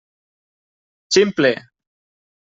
Ximple!